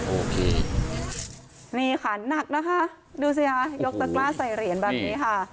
โอเคนี่ค่ะหนักนะคะดูสิค่ะยกตะกล้าใส่เหรียญแบบนี้ค่ะ